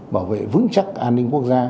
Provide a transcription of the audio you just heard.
bảo vệ vững chắc an ninh quốc gia